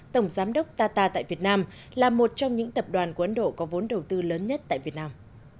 tổng giám đốc tata tại việt nam là một trong những tập đoàn của ấn độ có vốn đầu tư lớn nhất tại việt nam